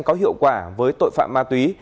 có hiệu quả với tội phạm ma túy